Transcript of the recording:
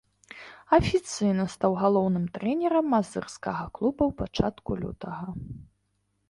Афіцыйна стаў галоўным трэнерам мазырскага клуба ў пачатку лютага.